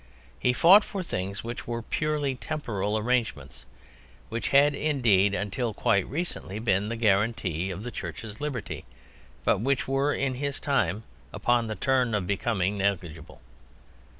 He fought for things which were purely temporal arrangements; which had indeed until quite recently been the guarantee of the Church's liberty, but which were in his time upon the turn of becoming negligible.